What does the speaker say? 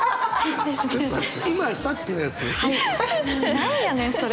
「何やねんそれ」